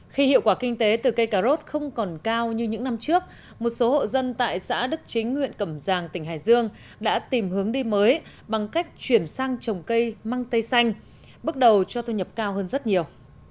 khi hiệu quả kinh tế từ cây cà rốt không còn cao như những năm trước một số hộ dân tại xã đức chính huyện cẩm giang tỉnh hải dương đã tìm hướng đi mới bằng cách chuyển sang trồng cây măng tây xanh bước đầu cho thu nhập cao hơn rất nhiều